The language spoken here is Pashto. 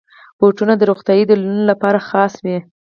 بوټونه د روغتیايي دلیلونو لپاره خاص وي.